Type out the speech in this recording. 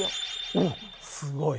おっすごい。